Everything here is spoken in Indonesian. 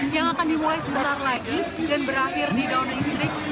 yang akan dimulai sebentar lagi dan berakhir di dounding street